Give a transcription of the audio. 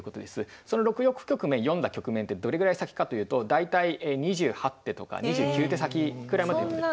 その６億局面読んだ局面ってどれぐらい先かというと大体２８手とか２９手先ぐらいまで読んでると。